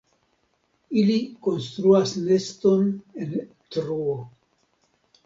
Ili konstruas neston en truo.